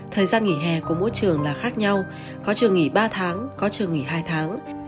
thời gian nghỉ hè của mỗi trường là khác nhau có trường nghỉ ba tháng có trường nghỉ hai tháng